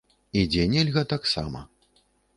І дзе нельга таксама.